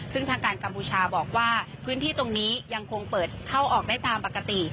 ซึ่งทางการกัมพูชาบอกว่าพื้นที่ตรงนี้ยังคงเปิดเข้าออกได้ตามปกติ